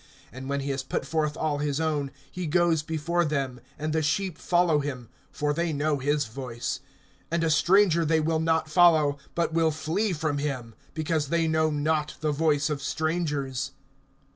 (4)And when he has put forth all his own, he goes before them; and the sheep follow him, for they know his voice. (5)And a stranger they will not follow, but will flee from him; because they know not the voice of strangers.